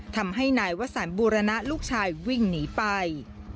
ทำให้นายวสันบูรณะลูกชายวิ่งหนีไป